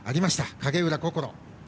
影浦心。